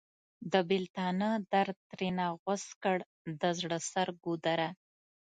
د بیلتانه درد ترېنه غوڅ کړ د زړه سر ګودره!